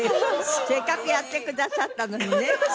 せっかくやってくださったのにね。